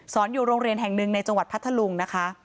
อยู่โรงเรียนแห่งหนึ่งในจังหวัดพัทธลุงนะคะ